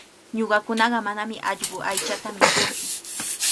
Ñuqakunaqa manami allqu aychata mikuutsu.